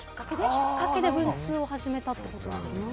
きっかけで文通を始めたんですかね。